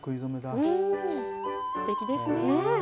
すてきですね。